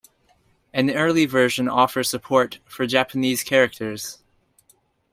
An early version offer support for Japanese characters.